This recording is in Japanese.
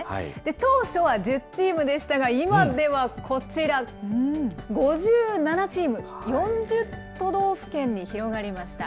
当初は１０チームでしたが、今ではこちら、５７チーム、４０都道府県に広がりました。